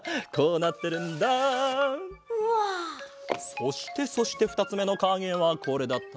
そしてそしてふたつめのかげはこれだった。